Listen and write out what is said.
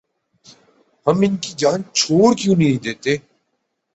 ہم ان کی جان چھوڑ کیوں نہیں دیتے؟